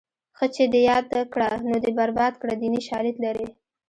ښه چې دې یاد کړه نو دې برباد کړه دیني شالید لري